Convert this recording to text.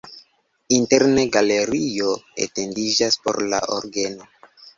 Interne galerio etendiĝas por la orgeno.